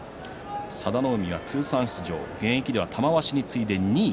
佐田の海が通算出場現役では玉鷲に次いで２位。